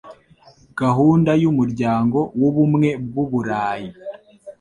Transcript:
gahunda y umuryango w ubumwe bw'uburayi